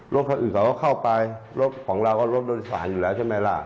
รถคันอื่นเขาก็เข้าไปรถของเราก็รถโดยสารอยู่แล้วใช่ไหมล่ะ